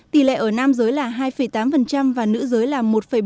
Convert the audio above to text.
tỷ lệ ở nam giới là hai tám và nữ giới là một bảy